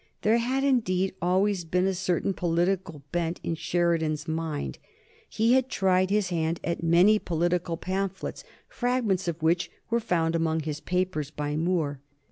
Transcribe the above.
There had, indeed, always been a certain political bent in Sheridan's mind. He had tried his hand at many political pamphlets, fragments of which were found among his papers by Moore.